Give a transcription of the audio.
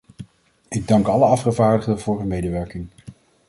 Ik dank alle afgevaardigden voor hun medewerking.